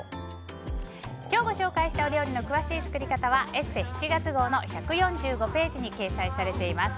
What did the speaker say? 今日ご紹介した料理の詳しい作り方は「ＥＳＳＥ」７月号の１４５ページに掲載されています。